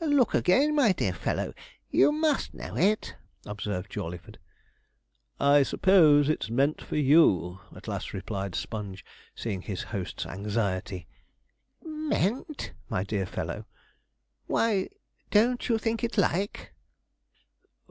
'Look again, my dear fellow; you must know it,' observed Jawleyford. 'I suppose it's meant for you,' at last replied Sponge, seeing his host's anxiety. 'Meant! my dear fellow; why, don't you think it like?'